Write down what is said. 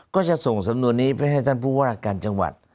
ก็จะส่งสำนวนนี้ไปให้ท่านผู้ว่าการจังหวัด